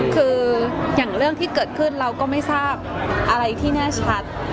คืออย่างเรื่องที่เกิดขึ้นเราก็ไม่ทราบอะไรที่แน่ชัด